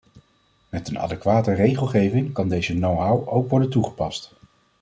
Met een adequate regelgeving kan deze knowhow ook worden toegepast.